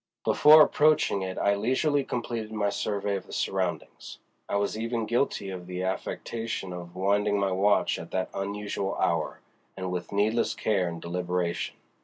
Before approaching it I leisurely completed my survey of the surroundings. I was even guilty of the affectation of winding my watch at that unusual hour, and with needless care and deliberation.